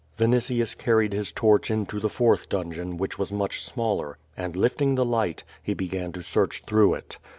Vinitius carried his torch into the fourth dungeon, which was much smaller, and lifting the light, he began to search through it.